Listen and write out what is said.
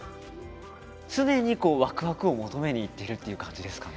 常にこうワクワクを求めにいってるっていう感じですかね？